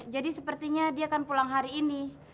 jadi sepertinya dia akan pulang hari ini